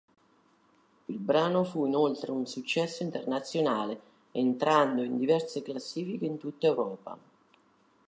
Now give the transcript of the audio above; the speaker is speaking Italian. Il brano fu inoltre un successo internazionale, entrando in diverse classifiche in tutta Europa.